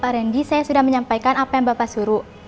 pak randy saya sudah menyampaikan apa yang bapak suruh